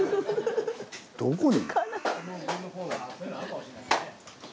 どこに？